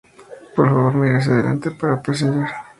Por favor, mire hacia adelante para "Passenger"!